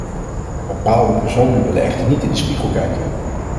Bepaalde personen willen echter niet in de spiegel kijken!